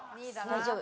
大丈夫。